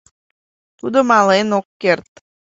Тудо мален ок керт.